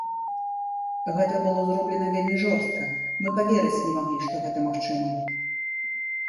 Гэта было зроблена вельмі жорстка, мы паверыць не маглі, што гэта магчыма.